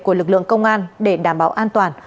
của lực lượng công an để đảm bảo an toàn